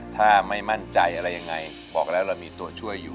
ถ้าไม่มั่นใจอะไรยังไงบอกแล้วเรามีตัวช่วยอยู่